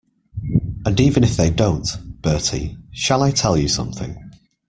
And even if they don't — Bertie, shall I tell you something?